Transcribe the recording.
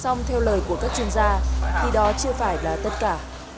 xong theo lời của các chuyên gia thì đó chưa phải là tất cả